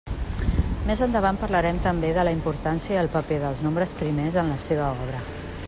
Més endavant parlarem també de la importància i el paper dels nombres primers en la seva obra.